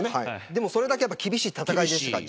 でもそれだけ厳しい戦いでした。